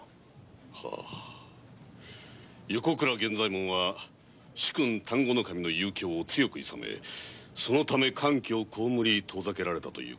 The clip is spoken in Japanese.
横倉源左衛門は主君丹後守の遊興を強くいさめそのために勘気を被り遠ざけられたと。